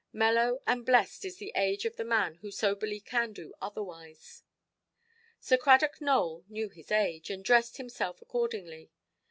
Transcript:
Mellow and blest is the age of the man who soberly can do otherwise. Sir Cradock Nowell knew his age, and dressed himself accordingly.